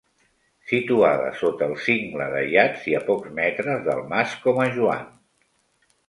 Situada sota el cingle d'Aiats i a pocs metres del mas Comajoan.